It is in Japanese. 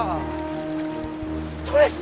ストレス！